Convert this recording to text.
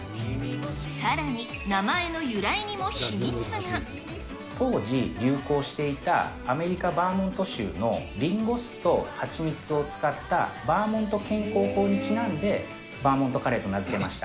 さらに、名前の由来にも秘密当時流行していた、アメリカ・バーモント州のリンゴ酢とハチミツを使った、バーモント健康法にちなんで、バーモントカレーと名付けました。